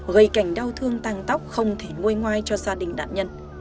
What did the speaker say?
gây cảnh đau thương tang tóc không thể nuôi ngoai cho gia đình đạn nhân